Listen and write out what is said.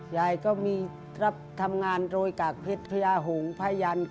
ยายก็มีทรัพย์ทำงานโรยกากพิษพระยาหุงพระยันทร์